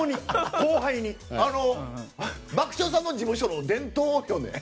爆笑さんの事務所の伝統よね。